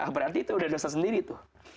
berarti itu udah dosa sendiri tuh